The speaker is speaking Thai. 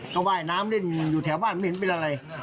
ก็ว่ายน้ำเล่นอยู่แถวบ้านไม่เห็นเป็นอะไร